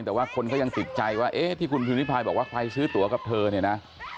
แต่ว่าคนก็ยังติดใจว่าเอ๊ะที่คุณพิมริพายบอกว่าใครซื้อตัวกับเธอเนี่ยนะ